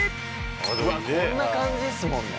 うわっこんな感じっすもんね。